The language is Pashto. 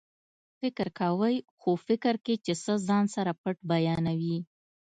فکر کوئ خو فکر کې چې څه ځان سره پټ بیانوي